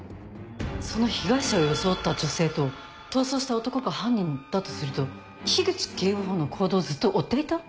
その被害者を装った女性と逃走した男が犯人だとすると口警部補の行動をずっと追っていた？